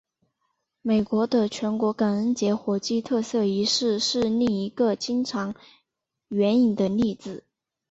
美国的全国感恩节火鸡特赦仪式是另一个经常援引的例子。